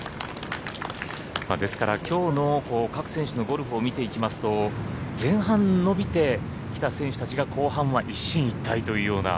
ですからきょうの各選手のゴルフを見ていきますと前半伸びてきた選手たちが後半は一進一退というような。